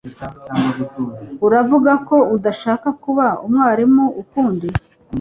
Uravuga ko udashaka kuba umwarimu ukundi